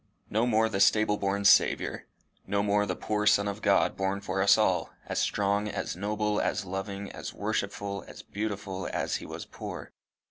No more the stable born Saviour no more the poor Son of God born for us all, as strong, as noble, as loving, as worshipful, as beautiful as he was poor!